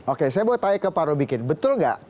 oke saya mau tanya ke pak robikin betul nggak